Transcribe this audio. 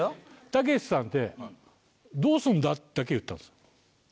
たけしさんって「どうすんだ？」だけ言ったんですよ。